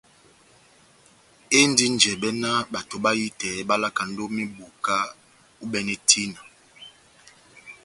Endi njɛbɛ ná bato bahitɛ bá lakand'ó meboka u'bɛne tina.